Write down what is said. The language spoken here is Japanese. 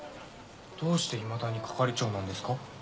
どうしていまだに係長なんですか？